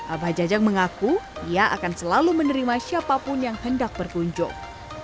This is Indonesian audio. abah jajang mengaku ia akan selalu menerima siapapun yang hendak berkunjung